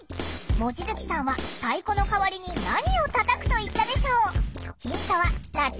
望月さんは太鼓の代わりに何をたたくと言ったでしょう？